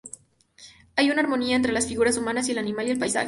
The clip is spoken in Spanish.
Hay una armonía entre las figuras humanas, el animal y el paisaje.